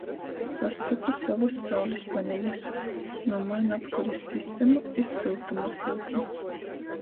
Pastotu sovus saulis paneļus. Nūmainu apkuris sistemu iz syltuma syukni.